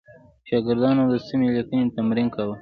شاګردانو د سمې لیکنې تمرین کاوه.